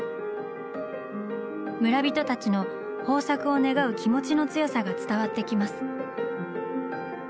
村人たちの豊作を願う気持ちの強さが伝わってきます。